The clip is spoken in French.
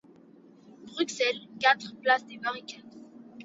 Bruxelles, quatre, place des Barricades.